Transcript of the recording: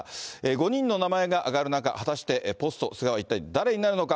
５人の名前が挙がる中、果たしてポスト菅は一体誰になるのか。